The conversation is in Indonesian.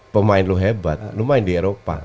pemain lo hebat lo main di eropa